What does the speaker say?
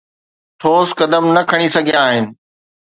ٺوس قدم نه کڻي سگهيا آهن